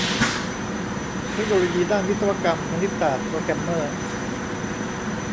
เทคโนโลยีด้านวิศวกรรม คณิตศาสตร์ โปรแกรมเมอร์